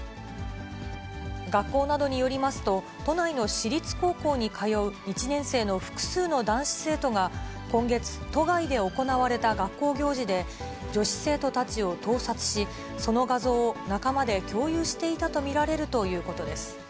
学校などによりますと、都内の私立高校に通う１年生の複数の男子生徒が、今月、都外で行われた学校行事で、女子生徒たちを盗撮し、その画像を仲間で共有していたと見られるということです。